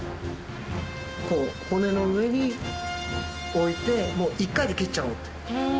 こう骨の上に置いてもう一回で切っちゃう。